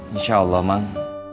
insya allah mang